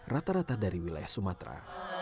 rata rata dari wilayah sumatera